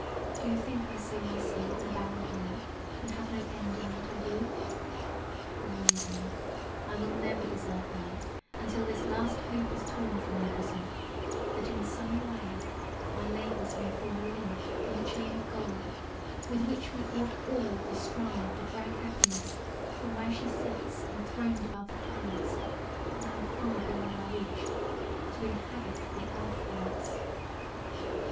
Do you think I sow my seed in the barren air, & have no end in what I do? Believe me, I will never desert life untill this last hope is torn from my bosom, that in some way my labours may form a link in the chain of gold with which we ought all to strive to drag Happiness from where she sits enthroned above the clouds, now far beyond our reach, to inhabit the earth with us.